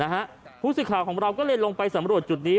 ผู้สื่อข่าวของเราก็เลยลงไปสำรวจจุดนี้